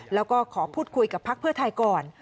แล้วก็ขอพูดคุยกับพักเพื่อไทยก่อน